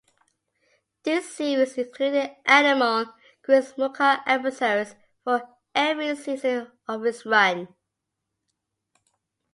The series included annual Chrismukkah episodes for every season of its run.